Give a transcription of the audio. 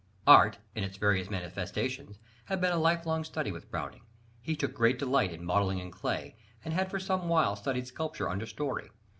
Art, in its various manifestations, had been a life long study with Browning. He took great delight in modelling in clay, and had for some while studied sculpture under Story.